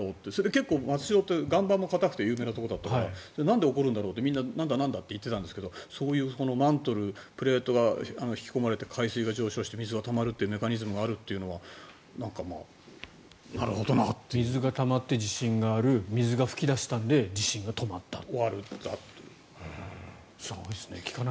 結構、松代って岩盤も硬くて有名なところだったからなんで起こるんだろうってみんな、なんだなんだと言っていたんですけどそういうマントル、プレートが引き込まれて海水が上昇して水がたまるというメカニズムがあるというのは水がたまって地震がある水が噴き出したので地震が止まったと。